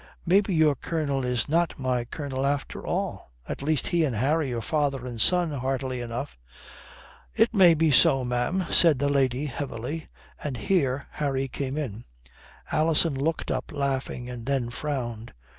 Maybe your Colonel is not my Colonel after all. At least he and Harry are father and son heartily enough." "It may be so, ma'am," said the lady heavily, and here Harry came in. Alison looked up laughing and then frowned.